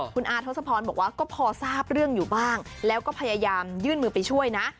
คุณอาทศพรบอกว่าก็พอทราบเรื่องอยู่บ้างแล้วก็พยายามยื่นมือไปช่วยนะ